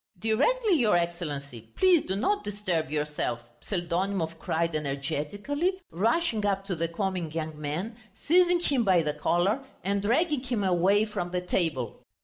"Directly, your Excellency; please do not disturb yourself!" Pseldonimov cried energetically, rushing up to the comic young man, seizing him by the collar and dragging him away from the table.